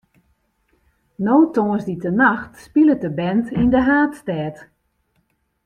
No tongersdeitenacht spilet de band yn de haadstêd.